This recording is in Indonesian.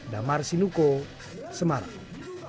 damar sinuko semarang